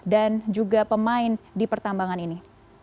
dan juga pemain di pertambangan ini